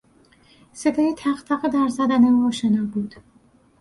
صدای تقتق در زدن او آشنا بود.